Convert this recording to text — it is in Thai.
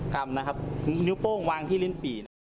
ครับนะครับนิ้วโป้งวางที่ลิ้นปี่